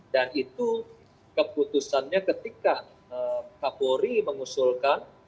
dan itu keputusannya ketika kapolri mengusulkan